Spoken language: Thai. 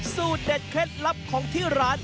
สูตรเด็ดเคล็ดลับของที่ร้าน